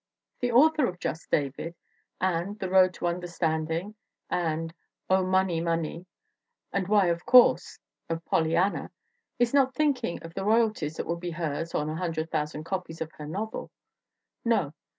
... The author of Just David and The Road to Un derstanding and Oh, Money! Money! and, why of course pf Pollyannal is not thinking of the royal ties that will be hers on 100,000 copies of her novel. No.